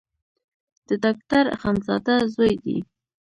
د ډاکټر اخندزاده زوی دی.